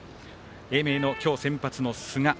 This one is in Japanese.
英明の今日、先発の寿賀。